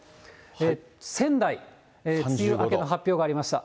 仙台、梅雨明けの発表がありました。